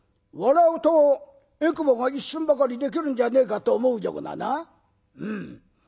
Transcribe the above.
笑うとえくぼが一寸ばかりできるんじゃねえかと思うようなな。